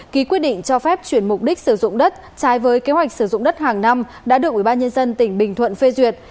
ký quyết định cho phép chuyển mục đích sử dụng đất trái với kế hoạch sử dụng đất hàng năm đã được ubnd tỉnh bình thuận phê duyệt